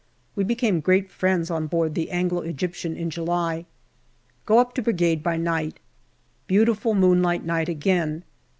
We became great friends on board the Anglo Egyptian in July. Go up to Brigade by night. Beautiful moonlight night again.